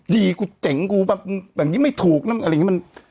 กูเจ๋งกูแบบแบบนี้ไม่ถูกนะอะไรอย่างนี้มัน